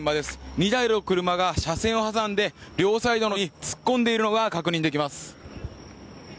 ２台の車が車線を挟んで両サイドに突っ込んでいるのが確認できます。